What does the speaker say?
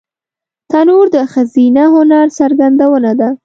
تنور د ښځینه هنر څرګندونه ده